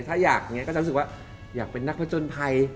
ถ้าอยากอย่างนี้ก็จะรู้สึกว่าอยากเป็นนักผจญภัย